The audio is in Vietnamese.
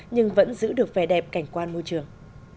nhưng vẫn giữ được vẻ đẹp cảnh quan môi trường